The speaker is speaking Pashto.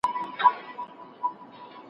ماشوم د مور د پلو لاندې د یخنۍ څخه خوندي و.